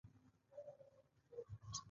رومیان د ستړیا ضد خواړه دي